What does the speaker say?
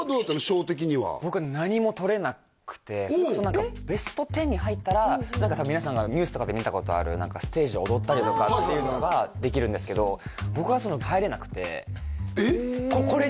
賞的にはそもそもベスト１０に入ったら多分皆さんがニュースとかで見たことあるステージで踊ったりとかっていうのができるんですけど僕は入れなくてえっ？